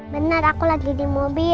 benar aku lagi di mobil